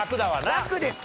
ラクです